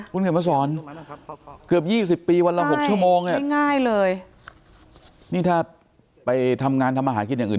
คุณเขียนมาสอนเกือบ๒๐ปีวันละ๖ชั่วโมงเนี่ยง่ายเลยนี่ถ้าไปทำงานทำอาหารกินอย่างอื่น